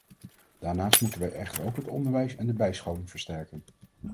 Daarnaast moeten wij echter ook het onderwijs en de bijscholing versterken.